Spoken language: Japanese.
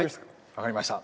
分かりました。